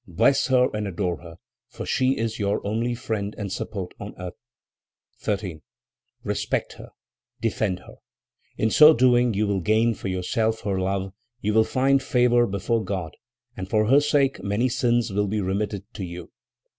Bless her and adore her, for she is your only friend and support on earth. 13. "Respect her; defend her. In so doing you will gain for yourself her love; you will find favor before God, and for her sake many sins will be remitted to you.